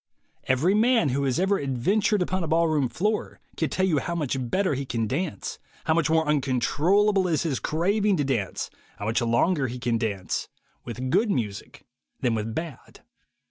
Every man who has ever adventured upon a ball room floor can tell 370U how much better he can dance, how much more uncontrollable is his craving to dance, how much longer he can dance, with good music than with bad.